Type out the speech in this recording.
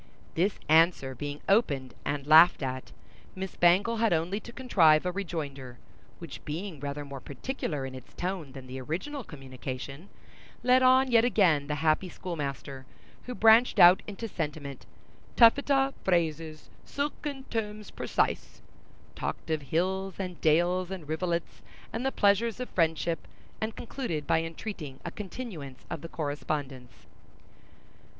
This answer being opened and laughed at, Miss Bangle had only to contrive a rejoinder, which being rather more particular in its tone than the original communication, led on yet again the happy schoolmaster, who branched out into sentiment, "taffeta phrases, silken terms precise," talked of hills and dales and rivulets, and the pleasures of friendship, and concluded by entreating a continuance of the correspondence.